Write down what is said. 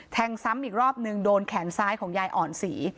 ซ้ำอีกรอบนึงโดนแขนซ้ายของยายอ่อนศรี